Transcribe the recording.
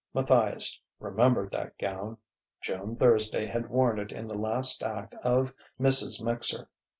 Matthias remembered that gown: Joan Thursday had worn it in the last act of "Mrs. Mixer."